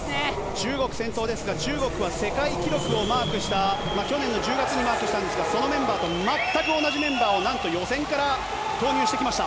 中国先頭ですが中国は世界記録を去年の１０月にマークしたんですがそのメンバーと全く同じメンバーを予選から投入してきました。